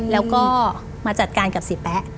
แล้วก็มาจัดการกับเสียแป๊ะ